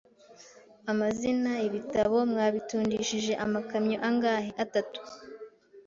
Amazina) Ibi bitabo mwabitundishije amakamyo angahe? Atatu